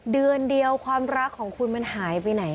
เดือนเดียวความรักของคุณมันหายไปไหน